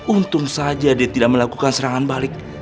untung saja dia tidak melakukan serangan balik